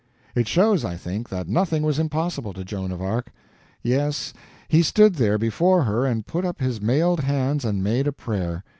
It shows, I think, that nothing was impossible to Joan of Arc. Yes, he stood there before her and put up his mailed hands and made a prayer.